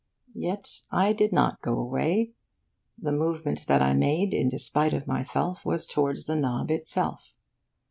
Yet I did not go away. The movement that I made, in despite of myself, was towards the knob itself.